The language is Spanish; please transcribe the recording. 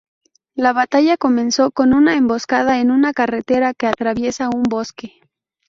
La batalla comenzó con una emboscada en una carretera que atraviesa un bosque.